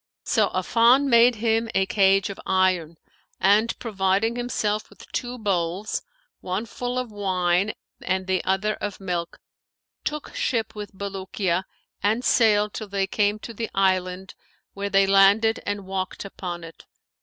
So Affan made him a cage of iron; and, providing himself with two bowls, one full of wine and the other of milk, took ship with Bulukiya and sailed till they came to the island, where they landed and walked upon it.